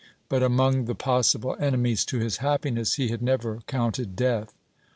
But among the possible enemies to his happiness he had never counted Death.